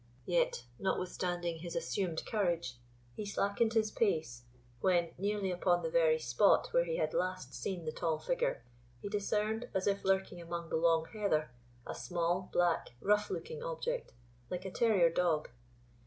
Yet, notwithstanding his assumed courage, he slackened his pace, when, nearly upon the very spot where he had last seen the tall figure, he discerned, as if lurking among the long heather, a small black rough looking object, like a terrier dog.